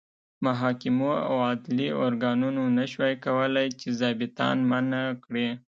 محاکمو او عدلي ارګانونو نه شوای کولای چې ظابیطان منع کړي.